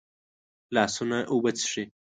لاسونه اوبه څښي